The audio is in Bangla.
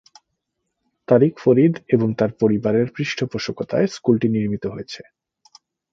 তারিক ফরিদ এবং তার পরিবারের পৃষ্ঠপোষকতায় স্কুলটি নির্মিত হয়েছে।